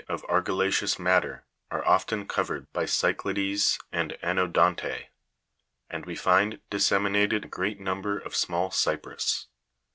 of argilla'ceous matter are often covered by cy'clades and anodo'ntse, and we find disseminated a great number of small cypris.